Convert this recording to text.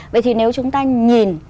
vậy thì nếu chúng ta nhìn